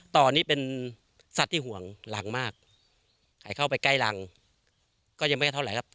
ตอนนี้เป็นสัตว์ที่ห่วงรังมากใครเข้าไปใกล้รังก็ยังไม่เท่าไหร่ครับ